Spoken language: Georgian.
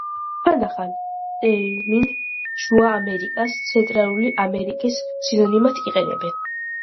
ხანდახან, ტერმინ „შუა ამერიკას“ „ცენტრალური ამერიკის“ სინონიმად იყენებენ.